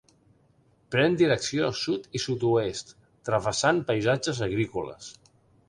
Pren direcció sud i sud-oest, travessant paisatges agrícoles.